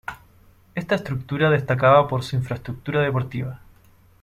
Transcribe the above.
Esta estructura destacaba por su infraestructura deportiva.